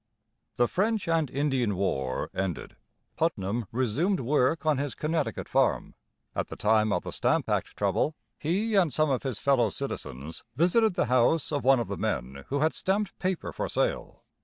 The French and Indian War ended, Putnam resumed work on his Connecticut farm. At the time of the Stamp Act trouble he and some of his fellow citizens visited the house of one of the men who had stamped paper for sale.